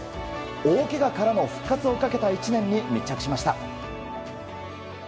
大けがからの復活をかけた１年に密着しました。